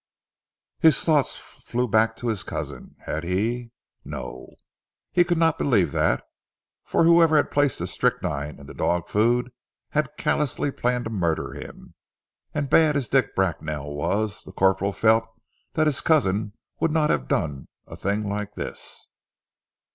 His thoughts flew back to his cousin. Had he No! He could not believe that; for whoever had placed the strychnine in the dog food, had callously planned to murder him. And bad as Dick Bracknell was, the corporal felt that his cousin would not have done a thing like this.